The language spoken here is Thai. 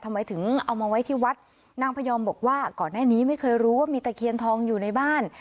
ทำไมถึงเอามาไว้ที่วัดนางพยอมบอกว่าก่อนหน้านี้ไม่เคยรู้ว่ามีตะเคียนทองอยู่ในบ้าน